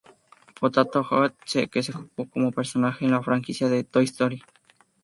Potato Head que se ocupó como personaje en la franquicia de Toy Story.